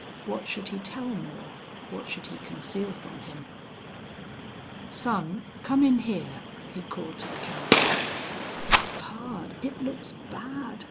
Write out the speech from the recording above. What should he tell Moore what should he conceal from him? "Son, come in here," he called to the cowboy. "Pard, it looks bad!"